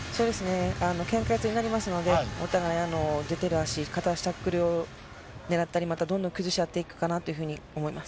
けん制落ちになりますので、お互い、出てる足、片足タックルを狙ったり、またどんどん崩し合ったりしていくかなというふうに思います。